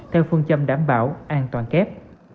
theo phương châm đảm bảo an toàn kép